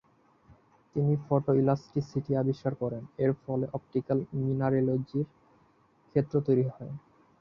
তিনি ফটোইলাস্টিসিটি আবিষ্কার করেন, এর ফলে অপটিকাল মিনারেলজির ক্ষেত্র তৈরি হয়।